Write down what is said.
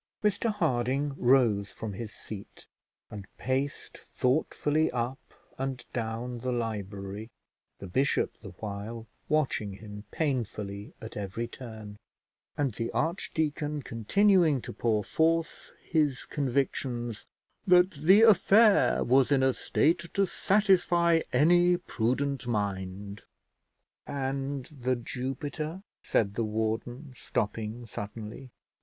Mr Harding rose from his seat and paced thoughtfully up and down the library, the bishop the while watching him painfully at every turn, and the archdeacon continuing to pour forth his convictions that the affair was in a state to satisfy any prudent mind. "And The Jupiter?" said the warden, stopping suddenly.